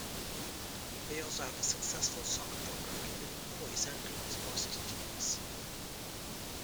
They also have a successful soccer Program including boys and girls varsity teams.